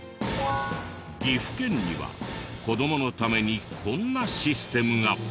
岐阜県には子どものためにこんなシステムが。